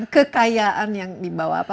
kekayaan yang dibawa apa